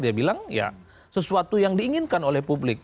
dia bilang ya sesuatu yang diinginkan oleh publik